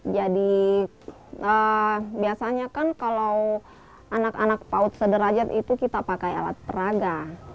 jadi biasanya kan kalau anak anak paut sederajat itu kita pakai alat peraga